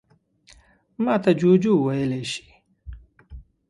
_ماته جُوجُو ويلی شې.